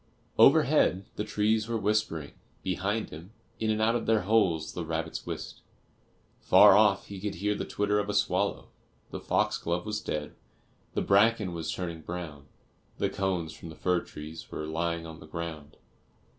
Overhead the trees were whispering; behind him, in and out of their holes the rabbits whisked; far off he could hear the twitter of a swallow; the foxglove was dead, the bracken was turning brown, the cones from the fir trees were lying on the ground.